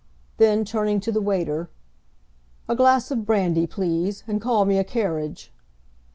Then, turning to the waiter, "A glass of brandy, please, and call me a carriage."